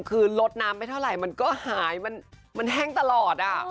คือลดน้ำไม่เท่าไหร่มันก็หายมันแห้งตลอด